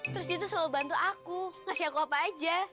terus dia tuh selalu bantu aku ngasih aku apa aja